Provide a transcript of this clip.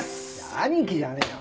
兄貴じゃねえよ。